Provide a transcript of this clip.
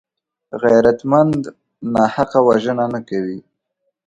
غیرتمند ناحقه وژنه نه کوي